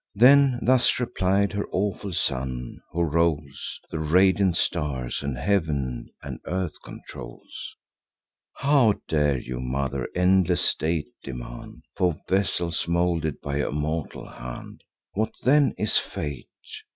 Then thus replied her awful son, who rolls The radiant stars, and heav'n and earth controls: "How dare you, mother, endless date demand For vessels moulded by a mortal hand? What then is fate?